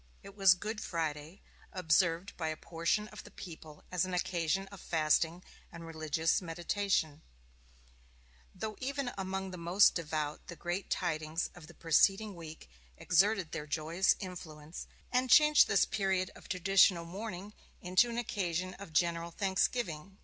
It was Good Friday, observed by a portion of the people as an occasion of fasting and religious meditation; though even among the most devout the great tidings of the preceding week exerted their joyous influence, and changed this period of traditional mourning into an occasion of general thanksgiving.